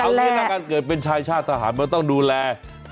เอาอย่างนี้ถ้าเกิดเป็นชายชาติทหารมันต้องดูแล